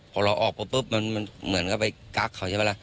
พอเราออกไปปุ๊บมันเหมือนก็ไปกั๊กเขาใช่ไหมล่ะ